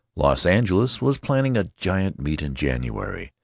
Los Angeles was planning a giant meet for January.